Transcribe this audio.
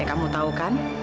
kamu tahu kan